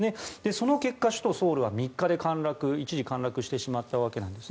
その結果、首都ソウルは３日で一時陥落してしまったわけです。